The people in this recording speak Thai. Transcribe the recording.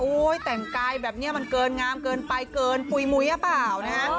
แต่งกายแบบนี้มันเกินงามเกินไปเกินปุ๋ยมุ้ยหรือเปล่านะฮะ